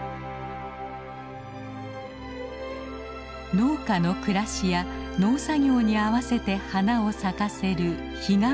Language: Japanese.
農家の暮らしや農作業に合わせて花を咲かせるヒガンバナ。